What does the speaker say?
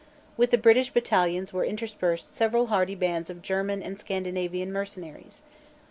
With the British battalions were interspersed several hardy bands of German and Scandinavian mercenaries.